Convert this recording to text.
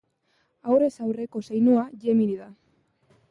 Aurrez aurreko zeinua Gemini da.